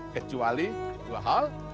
kecuali dua hal